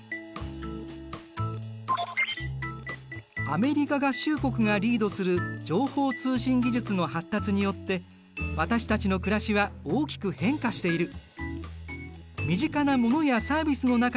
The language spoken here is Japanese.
アメリカ合衆国がリードする情報通信技術の発達によって私たちの暮らしは大きく変化している。